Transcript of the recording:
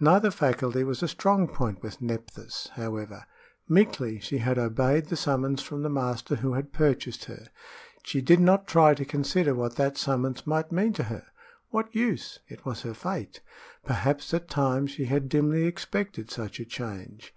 Neither faculty was a strong point with Nephthys, however. Meekly she had obeyed the summons from the master who had purchased her. She did not try to consider what that summons might mean to her. What use? It was her fate. Perhaps at times she had dimly expected such a change.